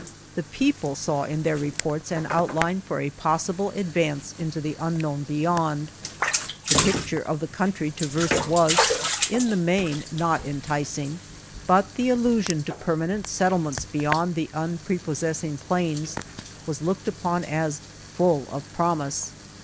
The people saw in their reports an outline for a possible advance into the unknown be yond. The picture of the country traversed was, in the main, not enticing, but the allu sion to permanent settlements beyond the unprepossessing plains was looked upon as full of promise.